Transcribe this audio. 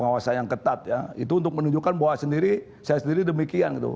pengawasan yang ketat ya itu untuk menunjukkan bahwa saya sendiri demikian gitu